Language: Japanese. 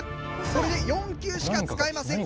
これで４球しか使えません。